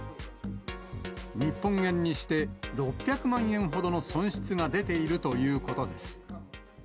日本円にして６００万円ほどの損失が出ているということです。